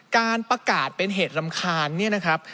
การประกาศเป็นเหตุรำคาญเนี่ยนะครับ